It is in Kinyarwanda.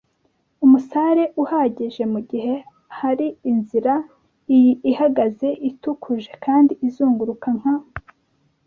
umusare uhagije mugihe hari inzira, iyi ihagaze ituje kandi izunguruka nka